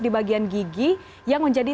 di bagian gigi yang menjadi